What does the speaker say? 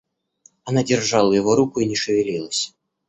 Она держала его руку и не шевелилась.